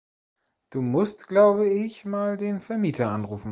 Du musst, glaube ich, mal den Vermieter anrufen.